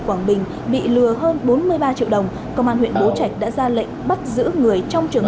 quảng bình bị lừa hơn bốn mươi ba triệu đồng công an huyện bố trạch đã ra lệnh bắt giữ người trong trường